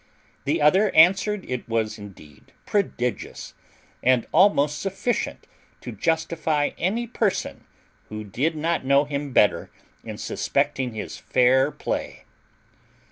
The other answered it was indeed prodigious, and almost sufficient to justify any person who did not know him better in suspecting his fair play.